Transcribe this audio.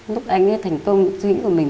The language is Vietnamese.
lúc anh ấy thành công suy nghĩ của mình